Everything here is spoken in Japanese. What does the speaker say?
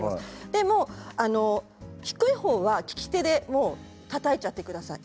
でも低い方は利き手でたたいてください。